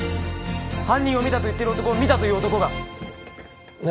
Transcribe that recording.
犯人を見たと言ってる男を見たという男が何？